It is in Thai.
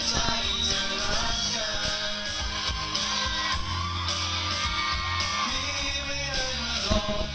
ถ้าไม่ได้มาตอบ